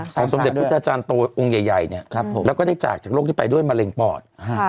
สำนักสงฆ์เด็กพิทยาจารย์โตองใหญ่แล้วก็ได้จากโรคที่ไปด้วยมะเร็งปอด